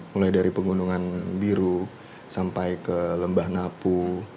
mulai dari pegunungan biru sampai ke lembah napu